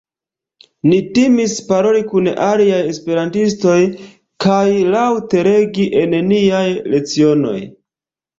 Ni timis paroli kun aliaj esperantistoj kaj laŭt-legi en niaj lecionoj.